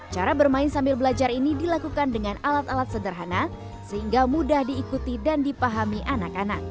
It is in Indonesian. cara bermain sambil belajar ini dilakukan dengan alat alat sederhana sehingga mudah diikuti dan dipahami anak anak